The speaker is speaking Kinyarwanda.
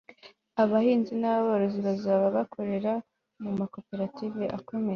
abahinzi n'aborozi bazaba bakorera mu makoperative akomeye